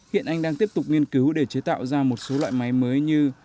hiện anh đang tiếp tục nghiên cứu để chế tạo ra một số loại máy mới như